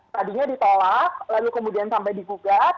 tadinya ditolak lalu kemudian sampai digugat